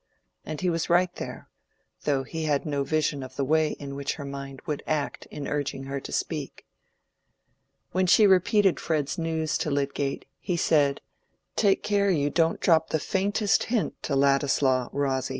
And he was right there; though he had no vision of the way in which her mind would act in urging her to speak. When she repeated Fred's news to Lydgate, he said, "Take care you don't drop the faintest hint to Ladislaw, Rosy.